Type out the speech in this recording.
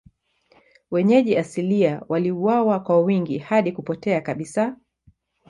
Wenyeji asilia waliuawa kwa wingi hadi kupotea kabisa.